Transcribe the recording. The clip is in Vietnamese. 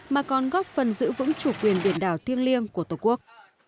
mà còn góp phần giữ vững chủ quyền biển đảo thiêng liêng của tổ quốc